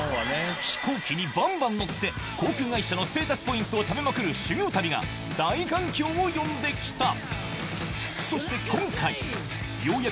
飛行機にバンバン乗って航空会社のステータスポイントを貯めまくる修行旅が大反響を呼んで来た